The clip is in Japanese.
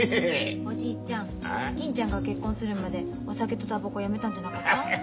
おじいちゃん銀ちゃんが結婚するまでお酒とタバコやめたんじゃなかった？